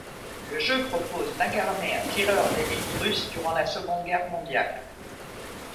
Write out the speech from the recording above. Le jeu propose d'incarner un tireur d'élite russe durant la Seconde Guerre mondiale.